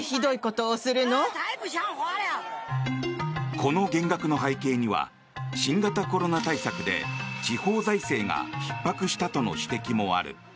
この減額の背景には新型コロナ対策で地方財政がひっ迫したとの指摘もある。